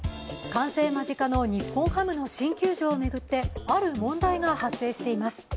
完成間近の日本ハムの新球場を巡ってある問題が発生しています。